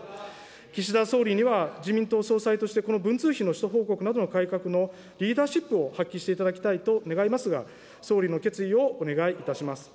岸田総理には、自民党総裁としてこの文通費の使途報告などの改革のリーダーシップを発揮していただきたいと願いますが、総理の決意をお願いいたします。